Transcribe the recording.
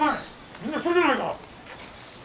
みんなしとるじゃないか！